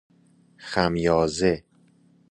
خمیازه